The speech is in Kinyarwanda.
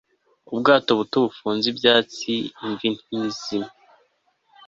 Ubwato buto bufunze ibyatsi imvi nkizimu